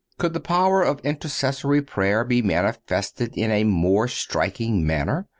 Could the power of intercessory prayer be manifested in a more striking manner?